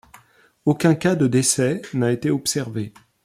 Aucun cas de décès n'a été observé.